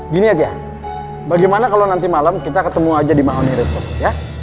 gini aja bagaimana kalau nanti malem kita ketemu aja di mahone restoran ya